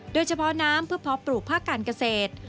โดยเฉพาะน้ำเพื่อเพาะปลูกภาคการเกษตร